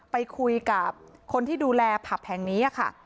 ไปคุยกับคนที่ดูแลผับแห่งนี้ค่ะ